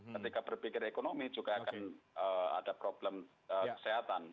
ketika berpikir ekonomi juga akan ada problem kesehatan